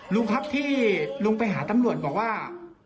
ลุงครับที่ลุงไปหาตำรวจบอกว่า